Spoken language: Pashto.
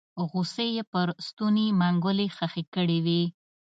غصې يې پر ستوني منګولې خښې کړې وې